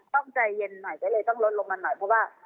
ใจเย็นหน่อยก็เลยต้องลดลงมาหน่อยเพราะว่า